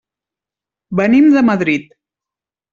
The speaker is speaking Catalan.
Venim de Madrid.